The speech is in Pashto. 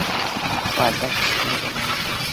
وردګ ښکلی ولایت دی